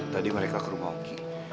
tadi mereka ke rumah oki